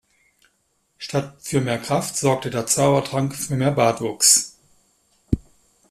Statt für mehr Kraft sorgte der Zaubertrank für mehr Bartwuchs.